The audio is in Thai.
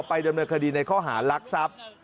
ไปดำเนินคดีในเจ้าหารหลักทรัพย์